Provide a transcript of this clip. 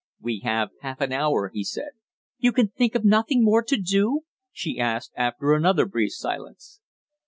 "We have half an hour," he said. "You can think of nothing more to do?" she asked, after another brief silence.